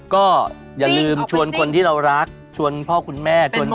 ก็อย่าลืมชวนคนที่เรารักชวนพ่อคุณแม่ชวน